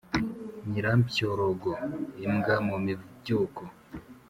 Nyirampyorongo-Imbwa mu mibyuko.